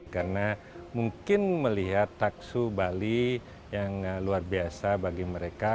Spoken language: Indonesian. karena mungkin melihat taksu bali yang luar biasa bagi mereka